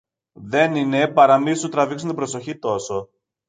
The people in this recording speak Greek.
δεν είναι παρά μη σου τραβήξουν την προσοχή τόσο